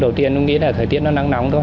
đầu tiên cũng nghĩ là thời tiết nó nắng nóng thôi